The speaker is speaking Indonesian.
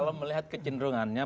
kalau melihat kecenderungannya